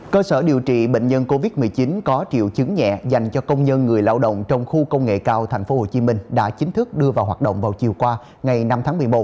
cơ sở điều trị bệnh nhân covid một mươi chín có triệu chứng nhẹ dành cho công nhân người lao động trong khu công nghệ cao tp hcm đã chính thức đưa vào hoạt động vào chiều qua ngày năm tháng một mươi một